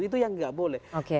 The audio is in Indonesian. itu yang tidak boleh